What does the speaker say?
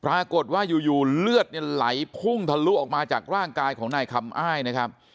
ปรากฏว่าอยู่เลือดเนี่ยไหลพุ่งทะลุออกมาจากร่างกายของนายคำอ้ายนะครับ